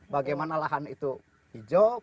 bagaimana lahan itu hijau